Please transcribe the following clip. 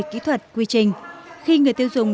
kỹ thuật quy trình khi người tiêu dùng